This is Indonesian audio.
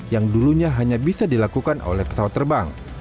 yang dulunya hanya bisa dilakukan oleh pesawat terbang